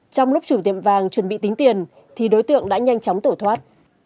trong lúc chủ tiệm vàng chuẩn bị tính tiền thì đối tượng đã nhanh chóng tổ thoát